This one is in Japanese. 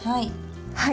はい。